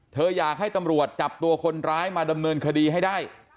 อยากให้ตำรวจจับตัวคนร้ายมาดำเนินคดีให้ได้